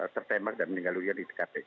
tertembak dan meninggal dunia di tkp